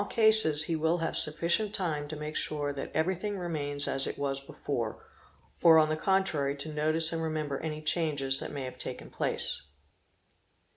cases he will have sufficient time to make sure that everything remains as it was before, or on the contrary to notice and remember any changes that may have taken place.